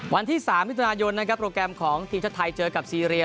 วันที่๓มิถุนายนนะครับโปรแกรมของทีมชาติไทยเจอกับซีเรีย